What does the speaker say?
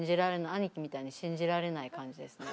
兄貴みたいに信じられない感じですね。